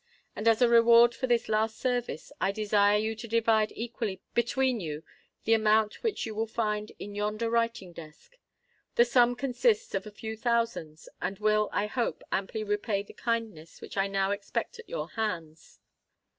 And as a reward for this last service, I desire you to divide equally between you the amount which you will find in yonder writing desk. That sum consists of a few thousands, and will, I hope, amply repay the kindness which I now expect at your hands."